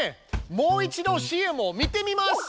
もう一度ＣＭを見てみます！